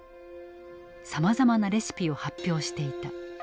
さまざまなレシピを発表していた。